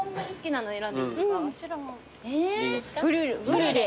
ブリュレ。